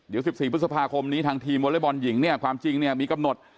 เดี๋ยว๑๔พฤษภาคมนี้ทางทีมวลบอลหญิงความจริงมีกำหนด